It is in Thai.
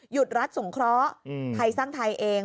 รัฐสงเคราะห์ไทยสร้างไทยเอง